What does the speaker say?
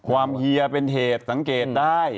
เฮียเป็นเหตุสังเกตได้